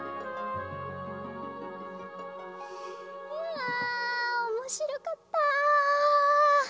あおもしろかった。